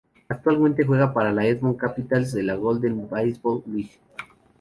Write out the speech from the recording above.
Actualmente juega para los Edmonton Capitals de la Golden Baseball League.